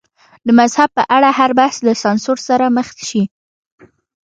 د مذهب په اړه هر بحث له سانسور سره مخ شي.